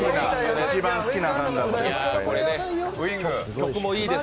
一番好きなガンダムです。